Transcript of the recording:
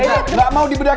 bener gak mau dibedakin